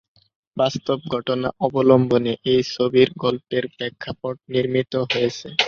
বাস্তব ঘটনা অবলম্বনে এই ছবির গল্পের প্রেক্ষাপট নির্মিত হয়েছে।